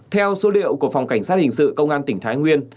theo số liệu của phòng cảnh sát hình sự công an tỉnh thái nguyên